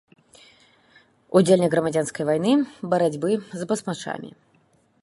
Удзельнік грамадзянскай вайны, барацьбы с басмачамі.